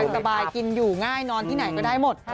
สบายกินอยู่ง่ายนอนที่ไหนก็ได้หมด